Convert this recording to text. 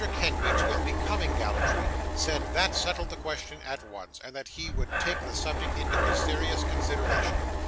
Kenwigs, with becoming gallantry, said that settled the question at once, and that he would take the subject into his serious consideration.